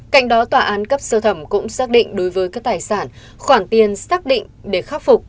cạnh đó tòa án cấp sơ thẩm cũng xác định đối với các tài sản khoản tiền xác định để khắc phục